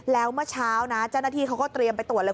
แล้วเมื่อเช้านะเจ้าหน้าที่เขาก็เตรียมไปตรวจเลย